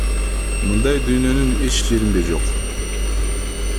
Мындай дүйнөнүн эч жеринде жок.